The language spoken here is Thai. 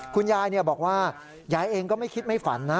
คุณยายบอกว่ายายเองก็ไม่คิดไม่ฝันนะ